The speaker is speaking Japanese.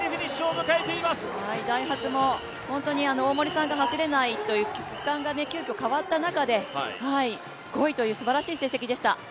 ダイハツも大森さんが走れないという急きょ変わった中で５位というすばらしい成績でした。